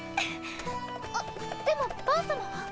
あっでもバン様は？